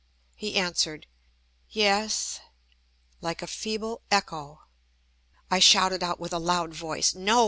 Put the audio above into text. He answered, "Yes," like a feeble echo. I shouted out with a loud voice: "No!